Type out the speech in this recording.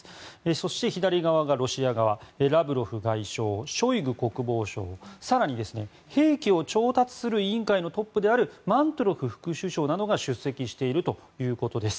そして左側がロシア側ラブロフ外相、ショイグ国防相更に、兵器を調達する委員会のトップであるマントゥロフ副首相などが出席しているということです。